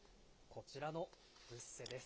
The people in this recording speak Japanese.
こちらのブッセです。